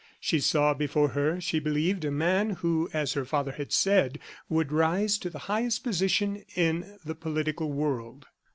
She saw before her, she believed, a man who, as her father had said, would rise to the highest position in the political world.